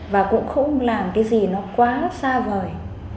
và cũng không làm cái gì nó quá xa vời